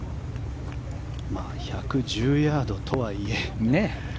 １１０ヤードとはいえ。